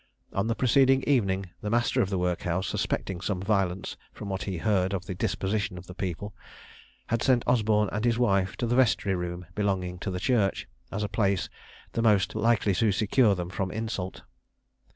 On the preceding evening the master of the workhouse, suspecting some violence from what he heard of the disposition of the people, had sent Osborne and his wife to the vestry room belonging to the church, as a place the most likely to secure them from insult.